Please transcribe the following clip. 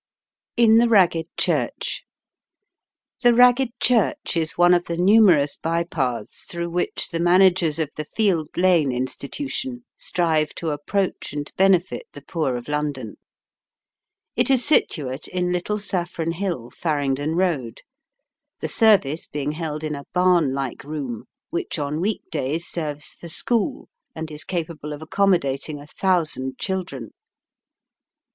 IN THE RAGGED CHURCH. The Ragged Church is one of the numerous by paths through which the managers of the Field Lane Institution strive to approach and benefit the poor of London. It is situate in Little Saffron Hill, Farringdon Road, the service being held in a barn like room, which on weekdays serves for school, and is capable of accommodating a thousand children.